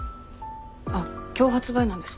あっ今日発売なんですか？